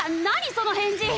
その返事！